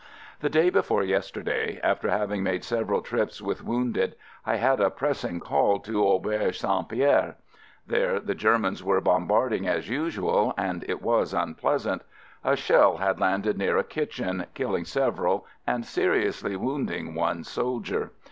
The day before yesterday, after having made several trips with wounded, I had a pressing call to Auberge St. Pierre. There the Germans were bombarding as usual, and it was unpleasant. A shell had landed near a kitchen, killing several and seriously wounding one soldier.